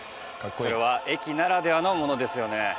それは駅ならではのものですよね。